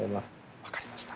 分かりました。